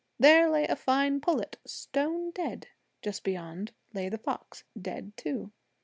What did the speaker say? There lay a fine pullet stone dead; just beyond lay the fox, dead too.